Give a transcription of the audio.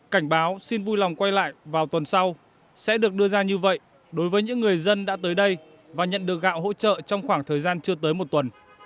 cảnh báo xin vui lòng quay lại vào tuần sau sẽ được đưa ra như vậy đối với những người dân đã tới đây và nhận được gạo hỗ trợ trong khoảng thời gian chưa tới một tuần